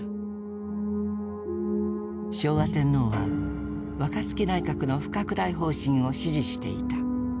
昭和天皇は若槻内閣の不拡大方針を支持していた。